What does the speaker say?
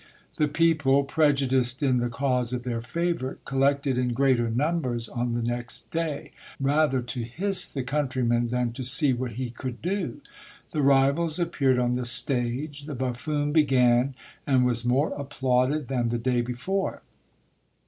The people, prejudiced in the cause of their favourite, collected in greater numbers on the next day, rather to hiss the countryman than to see what he could do. The rivals appeared on the stage. The buffoon began, and was more applauded than the day before.